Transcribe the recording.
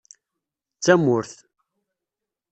D tamurt.